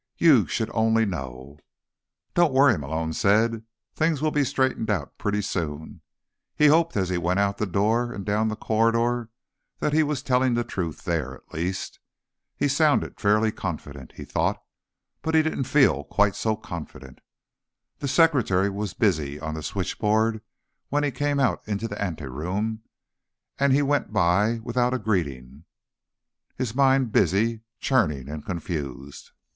You should only know." "Don't worry," Malone said. "Things will be straightened out pretty soon." He hoped, as he went out the door and down the corridor, that he was telling the truth there, at least. He'd sounded fairly confident, he thought, but he didn't feel quite so confident. The secretary was busy on the switchboard when he came out into the anteroom, and he went by without a greeting, his mind busy, churning and confused.